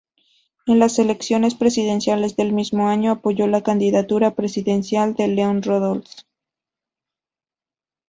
En las elecciones presidenciales del mismo año apoyó la candidatura presidencial de León Roldós.